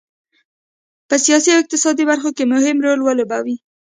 په سیاسي او اقتصادي برخو کې مهم رول ولوبوي.